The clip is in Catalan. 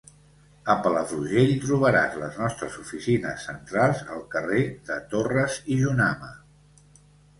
A Palafrugell trobaràs les nostres oficines centrals al carrer de Torres i Jonama.